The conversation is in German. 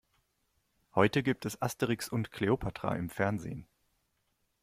Heute gibt es Asterix und Kleopatra im Fernsehen.